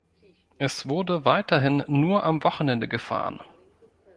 Es wurde weiterhin nur am Wochenende gefahren.